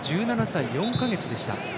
１７歳４か月でした。